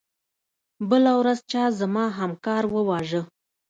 بله ورځ چا زما همکار وواژه.